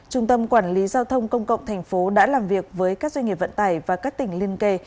trung tâm quản lý giao thông công cộng thành phố đã làm việc với các doanh nghiệp vận tải và các tỉnh liên kề